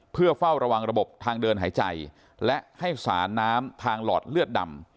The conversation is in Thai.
เพื่อเฝ้าระวังระบบทางเดินหายใจและให้สารน้ำทางหลอดเลือดดำ